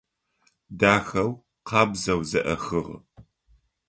Дахэу, къабзэу зэӏэхыгъ.